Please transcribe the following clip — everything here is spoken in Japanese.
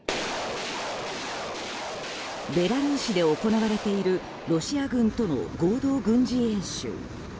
ベラルーシで行われているロシア軍との合同軍事演習。